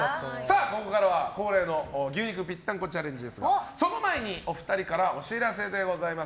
ここからは恒例の牛肉ぴったんこチャレンジですがその前にお二人からお知らせでございます。